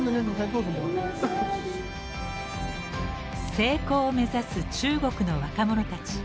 成功を目指す中国の若者たち。